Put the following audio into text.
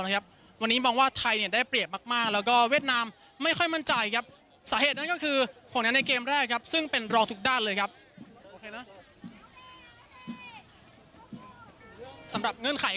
อยู่มวงไทยจนพูดไทยชัดแก่วเลยครับเขาก็เปิดเผลอกับเราว่าโทร